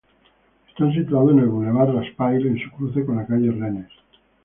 Están situados en el bulevar Raspail en su cruce con la calle Rennes.